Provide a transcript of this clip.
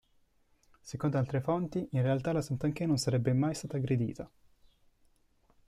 Secondo altre fonti in realtà la Santanchè non sarebbe mai stata aggredita.